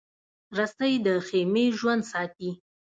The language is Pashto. رسۍ د خېمې ژوند ساتي.